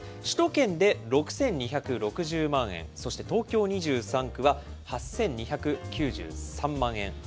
首都圏で６２６０万円、そして東京２３区は８２９３万円。